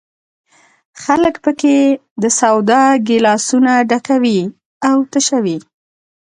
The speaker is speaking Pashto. خلک په کې د سودا ګیلاسونه ډکوي او تشوي.